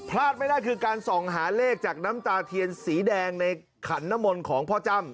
พลาดไม่ได้คือการส่องหาเลขจากน้ำตาเทียนสีแดงในขันนมลของพ่อจ้ำ